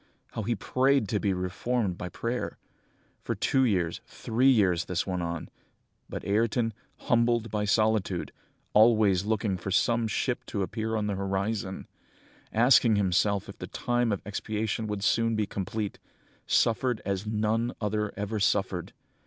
How he prayed to be reformed by prayer! For two years, three years, this went on; but Ayrton, humbled by solitude, always looking for some ship to appear on the horizon, asking himself if the time of expiation would soon be complete, suffered as none other ever suffered!